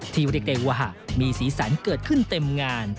ที่เร็กว่ามีศีลสรรค์เกิดขึ้นเต็มงาน